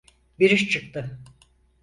Bir iş çıktı.